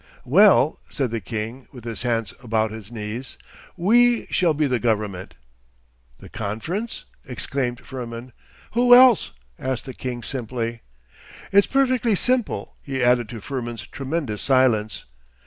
'Well,' said the king, with his hands about his knees, 'We shall be the government.' 'The conference?' exclaimed Firmin. 'Who else?' asked the king simply. 'It's perfectly simple,' he added to Firmin's tremendous silence.